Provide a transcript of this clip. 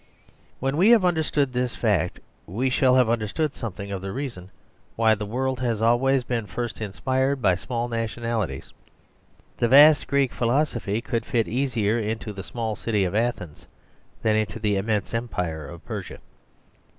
When we have understood this fact we shall have understood something of the reason why the world has always been first inspired by small nationalities. The vast Greek philosophy could fit easier into the small city of Athens than into the immense Empire of Persia.